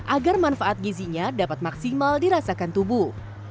agar manfaat gizinya dapat maksimal dirasakan tubuh